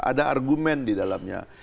ada argumen di dalamnya